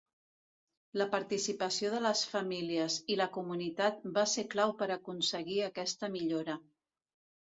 La participació de les famílies i la comunitat va ser clau per aconseguir aquesta millora.